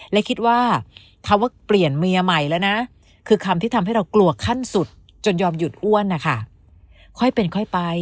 และคิดว่าเขาว่าเปลี่ยนเมียใหม่แล้วนะ